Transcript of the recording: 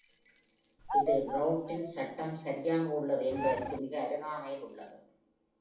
இது பிரவுட்டின் சட்டம் சரியாக உள்ளது என்பதற்கு மிக அருகாமையில் உள்ளது.